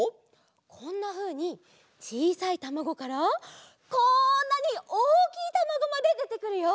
こんなふうにちいさいたまごからこんなにおおきいたまごまででてくるよ。